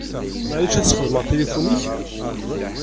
Maɛlic ad sxedmeɣ tilifun-ik?